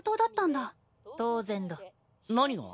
当然だ何が？